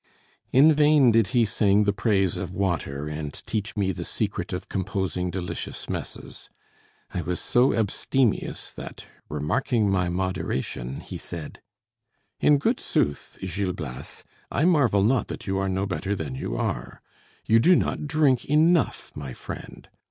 In vain did he sing the praise of water, and teach me the secret of composing delicious messes. I was so abstemious that, remarking my moderation, he said: "In good sooth, Gil Blas, I marvel not that you are no better than you are; you do not drink enough, my friend.